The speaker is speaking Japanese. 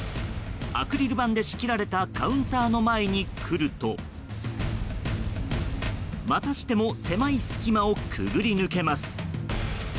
アクリル板で仕切られたカウンターの前に来るとまたしても狭い隙間をくぐり抜けます。